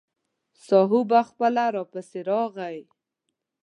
ساهو به خپله راپسې راغی.